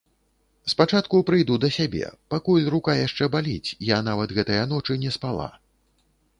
Спачатку прыйду да сябе, пакуль рука яшчэ баліць, я нават гэтыя ночы не спала.